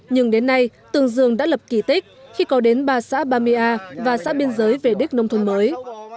nhưng đến nay tường dương đã lập kỳ tích khi có đến ba xã bamea và xã biên giới về đích nông thôn mới